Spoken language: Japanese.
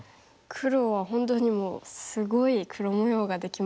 黒は本当にもうすごい黒模様ができましたね。